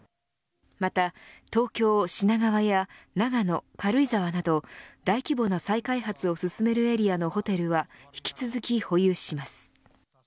また東京、品川や長野、軽井沢など大規模な再開発を進めるエリアのホテルは引き続き保有します。